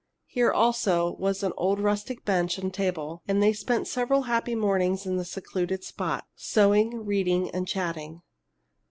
Here also was an old rustic bench and table, and they spent several happy mornings in the secluded spot, sewing, reading, and chatting.